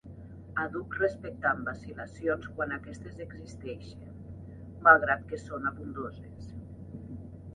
Àdhuc respectant vacil·lacions quan aquestes existeixen, malgrat que són abundoses.